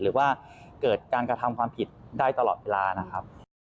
หรือว่าเกิดการกระทำความผิดได้ตลอดเวลานะครับ